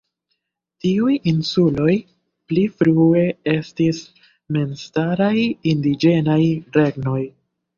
Tiuj insuloj pli frue estis memstaraj indiĝenaj regnoj.